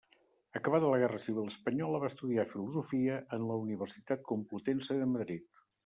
Acabada la Guerra Civil espanyola va estudiar Filosofia en la Universitat Complutense de Madrid.